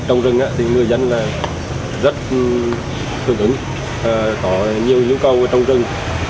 trong rừng thì người dân rất thương ứng có nhiều nhu cầu trong rừng